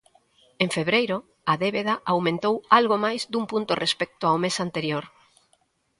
En febreiro, a débeda aumentou algo máis dun punto respecto ao mes anterior.